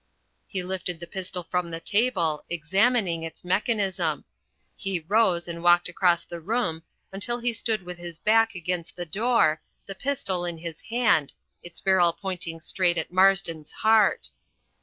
'" He lifted the pistol from the table, examining its mechanism. He rose and walked across the room till he stood with his back against the door, the pistol in his hand, its barrel pointing straight at Marsden's heart.